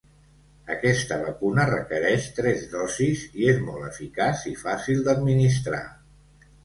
Aquesta vacuna requereix tres dosis i és molt eficaç i fàcil d'administrar.